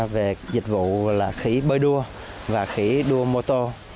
về dịch vụ là khỉ bơi đua và khỉ đua mô tô